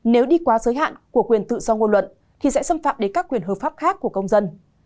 nếu đi qua giới hạn của quyền tự do ngôn luận thì sẽ xâm phạm đến các quyền hợp pháp khác của công dân